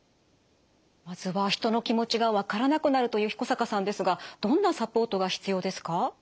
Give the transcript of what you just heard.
まずは人の気持ちがわからなくなるという彦坂さんですがどんなサポートが必要ですか？